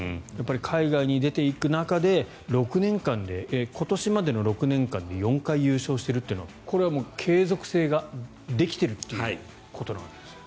海外に出ていく中で今年までの６年間で４回優勝しているというのはこれはもう、継続性ができているっていうことなわけですよね。